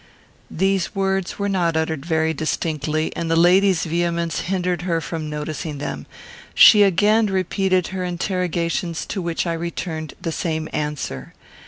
These words were uttered not very distinctly, and the lady's vehemence hindered her from noticing them. She again repeated her interrogations, to which I returned the same answer.